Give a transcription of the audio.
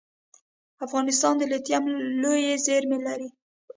افغانستان د لیتیم لویې زیرمې لري